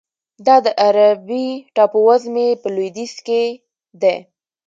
دا د عربي ټاپوزمې په لویدیځ کې دی.